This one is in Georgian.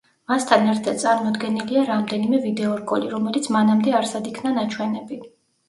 მასთან ერთად წარმოდგენილია რამდენიმე ვიდეორგოლი, რომელიც მანამდე არსად იქნა ნაჩვენები.